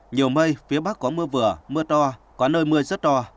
nhiều mây phía bắc có mưa vừa mưa to có nơi mưa rất to